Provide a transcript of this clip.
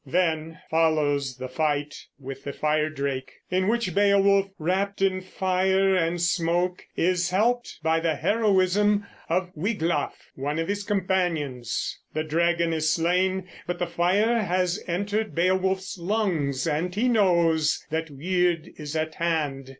Then follows the fight with the firedrake, in which Beowulf, wrapped in fire and smoke, is helped by the heroism of Wiglaf, one of his companions. The dragon is slain, but the fire has entered Beowulf's lungs and he knows that Wyrd is at hand.